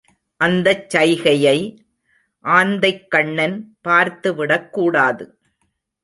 அந்தச் சைகையை ஆந்தைக்கண்ணன் பார்த்து விடக்கூடாது.